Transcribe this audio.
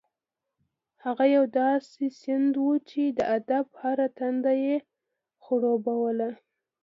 هغه یو داسې سیند و چې د ادب هره تنده یې خړوبوله.